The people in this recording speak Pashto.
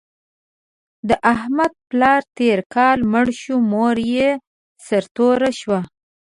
د احمد پلار تېر کال مړ شو، مور یې سرتوره شوه.